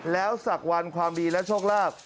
แล้วสักวันความดีและโชคลาภ